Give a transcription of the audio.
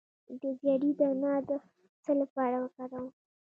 د زیرې دانه د څه لپاره وکاروم؟